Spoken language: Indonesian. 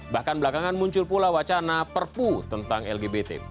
bahkan belakangan muncul pula wacana perpu tentang lgbt